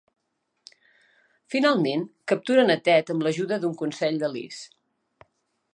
Finalment capturen a Ted amb l'ajuda d'un consell de Liz.